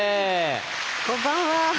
こんばんは！